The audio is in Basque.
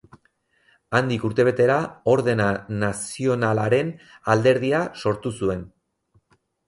Handik urtebetera Ordena Nazionalaren Alderdia sortu zuen.